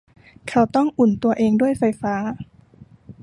เขาต้องอุ่นตัวเองด้วยไฟไฟฟ้า